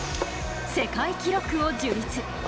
世界記録を樹立。